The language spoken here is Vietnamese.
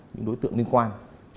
những đối tượng liên quan